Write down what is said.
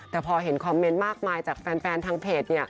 แต่พอเห็นคอมเมนต์มากมายจากแฟนทางเพจ